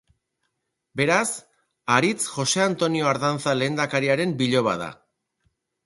Beraz, Aritz Jose Antonio Ardanza lehendakariaren biloba da.